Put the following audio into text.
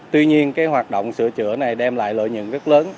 tuy nhiên cái hoạt động sửa chữa này đem lại lợi nhuận rất lớn